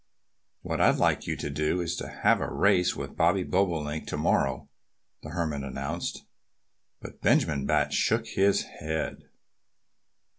"What I'd like you to do is to have a race with Bobby Bobolink to morrow," the Hermit announced. But Benjamin Bat shook his head.